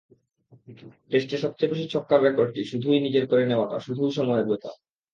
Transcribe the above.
টেস্টে সবচেয়ে বেশি ছক্কার রেকর্ডটি শুধুই নিজের করে নেওয়াটা শুধুই সময়ের ব্যাপার।